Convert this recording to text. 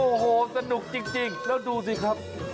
โอ้โหสนุกจริงแล้วดูสิครับ